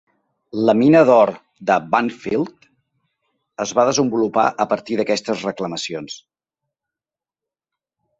La mina d'or de Bankfield es va desenvolupar a partir d'aquestes reclamacions.